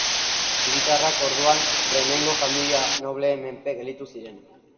Hiritarrak orduan Bremengo familia nobleen menpe gelditu ziren.